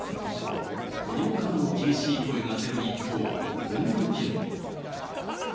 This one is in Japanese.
子どもからも厳しい声が出る一方、こんな意見も。